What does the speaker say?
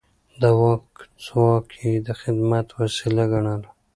د واک ځواک يې د خدمت وسيله ګڼله.